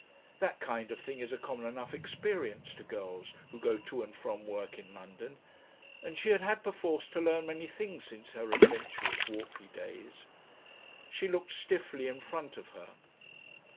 That kind of thing is a common enough experience to girls who go to and from work in London, and she had had perforce to learn many things since her adventurous Whortley days. She looked stiffly in front of her.